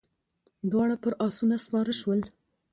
دواړه پر آسونو سپاره شول.